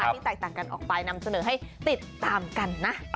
ที่แตกต่างกันออกไปนำเสนอให้ติดตามกันนะ